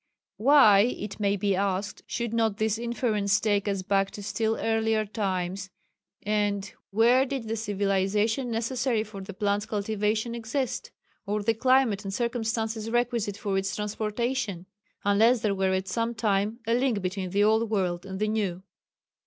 Why, it may be asked, should not this inference take us back to still earlier times, and where did the civilization necessary for the plant's cultivation exist, or the climate and circumstances requisite for its transportation, unless there were at some time a link between the old world and the new?